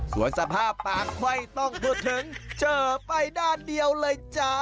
ส่วนสภาพปากไม่ต้องพูดถึงเจอไปด้านเดียวเลยจ้า